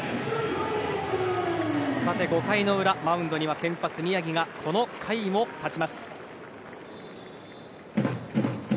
５回の裏、マウンドには先発、宮城がこの回も立ちます。